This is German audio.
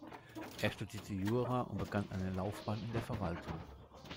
Er studierte Jura und begann eine Laufbahn in der Verwaltung.